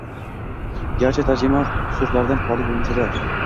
Garchi tarjima qusurlardan xoli bo’lmasa-da.